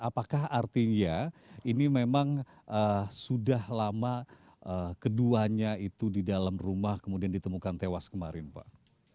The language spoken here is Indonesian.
apakah artinya ini memang sudah lama keduanya itu di dalam rumah kemudian ditemukan tewas kemarin pak